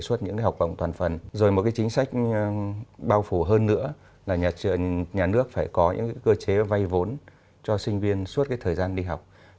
rồi một chính sách bao phủ hơn nữa là nhà nước phải có những cơ chế vay vốn cho sinh viên suốt thời gian đi học